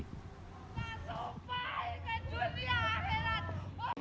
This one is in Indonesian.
kita sampai ke dunia akhirat